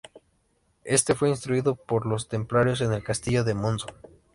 Este fue instruido por los templarios en el castillo de Monzón.